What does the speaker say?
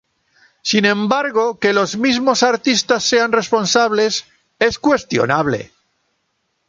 Sin embargo, que los mismos artistas sean responsables es cuestionable.